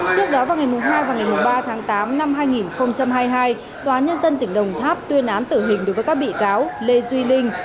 trước đó vào ngày hai và ngày ba tháng tám năm hai nghìn hai mươi hai tòa nhân dân tỉnh đồng tháp tuyên án tử hình đối với các bị cáo lê duy linh